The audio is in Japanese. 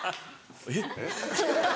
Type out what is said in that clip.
えっ？